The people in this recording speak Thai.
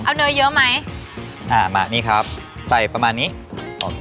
เอาเนยเยอะไหมอ่ามานี่ครับใส่ประมาณนี้โอเค